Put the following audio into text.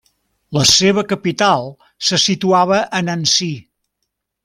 La seva capital se situava a Nancy.